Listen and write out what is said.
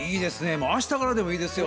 もう明日からでもいいですよ。